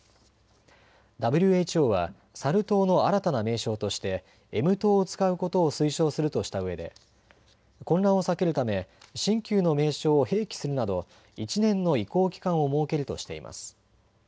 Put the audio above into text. ＷＨＯはサル痘の新たな名称としてＭ痘を使うことを推奨するとしたうえで、混乱を避けるため新旧の名称を併記するなど１年の移行期間を設けるとしています。